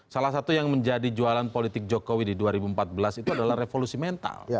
salah satu yang menjadi jualan politik jokowi di dua ribu empat belas itu adalah revolusi mental